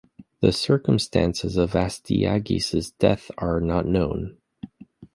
The circumstances of Astyages' death are not known.